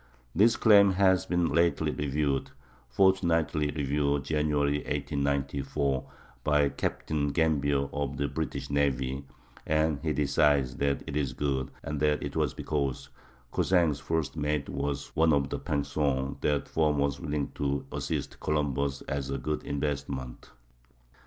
This claim has been lately reviewed ("Fortnightly Review," January, 1894) by Captain Gambier of the British navy, and he decides that it is good; and that it was because Cousin's first mate was one of the Pinçons that that firm was willing to assist Columbus, as a good investment.